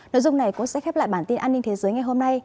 nội dung này cũng sẽ khép lại bản tin an ninh thế giới ngày hôm nay